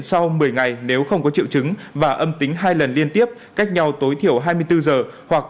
sau một mươi ngày nếu không có triệu chứng và âm tính hai lần liên tiếp cách nhau tối thiểu hai mươi bốn giờ hoặc